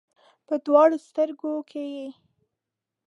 په دواړو سترګو کې یې